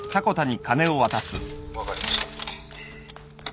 分かりました。